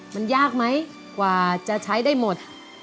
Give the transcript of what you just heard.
มันยากไหมกว่าจะใช้ได้หมด